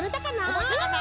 おぼえたかな？